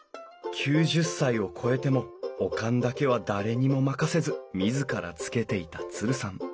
９０歳を超えてもお燗だけは誰にも任せず自らつけていたツルさん。